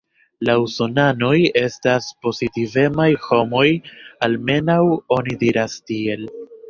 La Usonanoj estas pozitivemaj homoj, almenaŭ oni diras tiel.